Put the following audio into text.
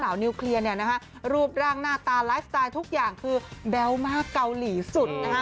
สาวนิวเคลียร์รูปร่างหน้าตาไลฟ์สแตร์ทุกอย่างคือแบ๊วมากเกาหลีสุด